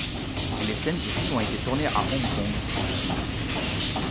Les scènes du film ont été tournées à Hong Kong en Chine.